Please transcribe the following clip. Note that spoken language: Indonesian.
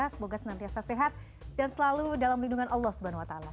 semoga senantiasa sehat dan selalu dalam lindungan allah swt